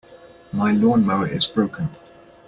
My lawn-mower is broken.